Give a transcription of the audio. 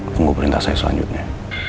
tunggu perintah saya selanjutnya